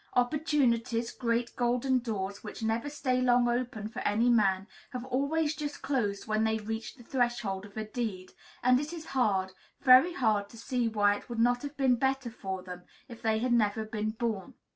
Opportunity's great golden doors, which never stay long open for any man, have always just closed when they reach the threshold of a deed; and it is hard, very hard, to see why it would not have been better for them if they had never been born.